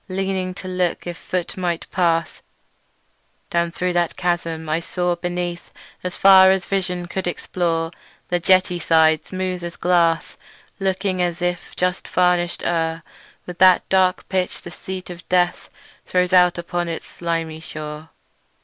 Leaning to look if foot might pass Down thro' that chasm, I saw, beneath, As far as vision could explore, The jetty sides as smooth as glass, Looking as if just varnish'd o'er With that dark pitch the Sea of Death Throws out upon its slimy shore."